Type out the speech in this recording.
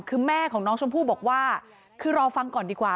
คือแม่ของน้องชมพู่บอกว่าคือรอฟังก่อนดีกว่า